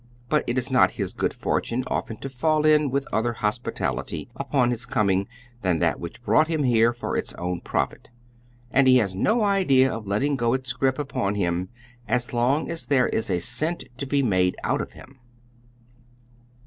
But it is not his good fortune often to fall in with other hospitality upon his 'coming than that which brought him here for its own profit, and has no idea of letting go its grip upon him as long as there is a cent to be made out of liim.